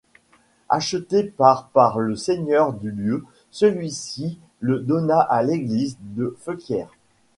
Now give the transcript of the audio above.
Acheté par par le seigneur du lieu celui-ci le donna à l'église de Feuquières.